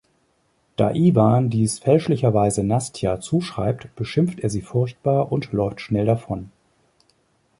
Da Iwan dies fälschlicherweise Nastja zuschreibt, beschimpft er sie furchtbar und läuft schnell davon.